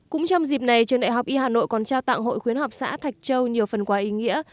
cũng trong dịp này trường đại học y hà nội còn trao tặng hội khuyến học xã thạch châu nhiều phần quà ý nghĩa